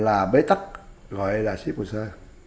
là bế tắc gọi là xếp hồ sơ